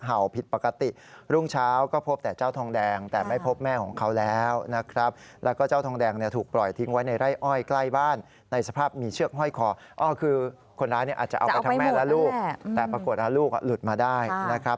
อาจจะเอาไปทำแม่ละลูกแต่ปรากฏละลูกอ่ะหลุดมาได้นะครับ